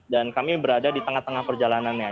dan kami berada di tengah tengah perjalanannya